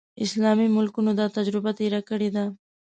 اسلامي ملکونو دا تجربه تېره کړې ده.